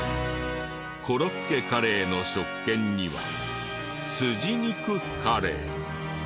コロッケカレーの食券には筋肉カレー。